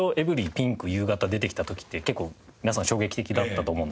ピンク夕方出てきた時って結構皆さん衝撃的だったと思うんですよね。